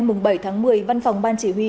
mùng bảy tháng một mươi văn phòng ban chỉ huy